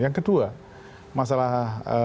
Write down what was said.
yang kedua masalah